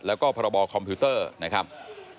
แล้วก็พรบคอมพิวเตอร์นะครับ